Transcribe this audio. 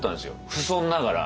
不遜ながら。